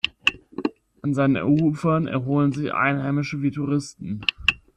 An seinen Ufern erholen sich Einheimische wie Touristen.